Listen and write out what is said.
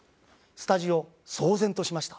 スタジオ騒然としました。